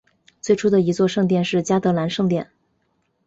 最初的一座圣殿是嘉德兰圣殿。